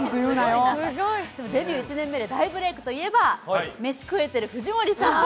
デビュー１年目で大ブレークといえばメシ食えてる藤森さん。